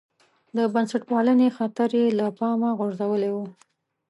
د بنسټپالنې خطر یې له پامه غورځولی و.